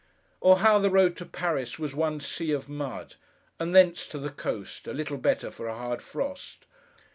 Or how the road to Paris, was one sea of mud, and thence to the coast, a little better for a hard frost.